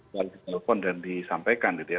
lalu di telepon dan disampaikan gitu ya